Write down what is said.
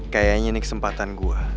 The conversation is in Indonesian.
kayaknya ini kesempatan gue